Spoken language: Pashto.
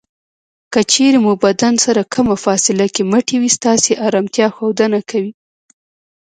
که چېرې مو بدن سره کمه فاصله کې مټې وي ستاسې ارامتیا ښودنه کوي.